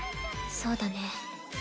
そうだね。